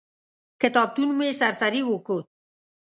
کتابتون مې سر سري وکت.